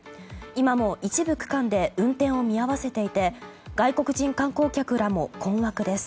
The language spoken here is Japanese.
今も一部区間で運転を見合わせていて外国人観光客らも困惑です。